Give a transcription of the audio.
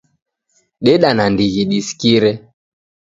Deda nandighi disikire